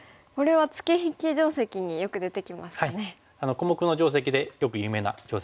小目の定石でよく有名な定石ですけれども。